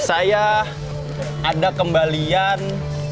saya ada kembalian